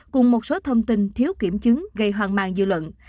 cùng một số thông tin thiếu kiểm chứng gây hoang mang dư luận